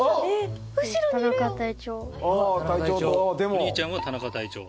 お兄ちゃんは田中隊長。